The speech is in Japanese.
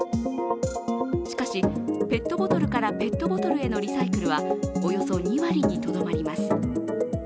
しかし、ペットボトルからペットボトルへのリサイクルはおよそ２割にとどまります。